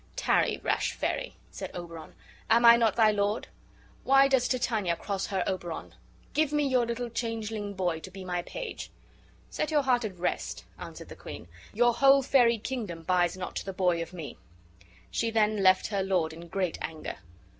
"Tarry, rash fairy," said Oberon. "Am I not thy lord? Why does Titania cross her Oberon? Give me your little changeling boy to be my page." "Set your heart at rest," answered the queen; "your whole fairy kingdom buys not the boy of me." She then left her lord in great anger.